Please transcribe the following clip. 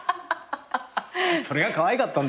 それがかわいかった。